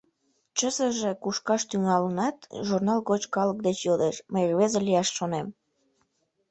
Чызыже кушкаш тӱҥалынат, журнал гоч калык деч йодеш: «Мый рвезе лияш шонем.